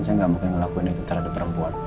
saya tidak akan melakukan hal terhadap perempuan